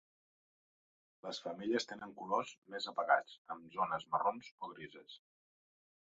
Les femelles tenen colors més apagats, amb zones marrons o grises.